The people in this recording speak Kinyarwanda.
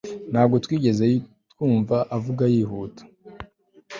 ntabwo twigeze twumva avuga yihuta